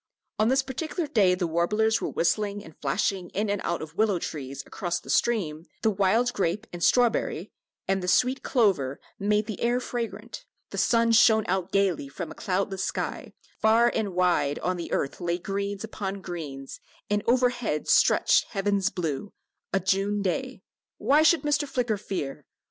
On this particular day the warblers were whistling and flashing in and out of willow trees across the stream, the wild grape and strawberry and the sweet clover made the air fragrant, the sun shone out gaily from a cloudless sky, far and wide on the earth lay greens upon greens, and overhead stretched heaven's blue a June day why should Mr. Flicker fear?